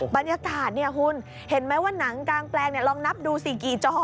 บรรยากาศเนี่ยคุณเห็นไหมว่าหนังกางแปลงลองนับดูสิกี่จอ